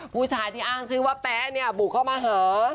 ผู้ชายที่อ้างชื่อว่าแป๊ะเนี่ยบุกเข้ามาเหอะ